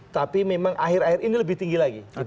tapi memang akhir akhir ini lebih tinggi lagi